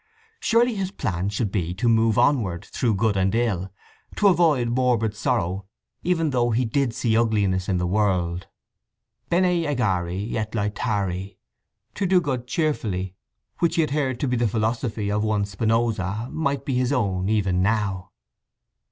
Surely his plan should be to move onward through good and ill—to avoid morbid sorrow even though he did see uglinesses in the world? Bene agere et lætari—to do good cheerfully—which he had heard to be the philosophy of one Spinoza, might be his own even now.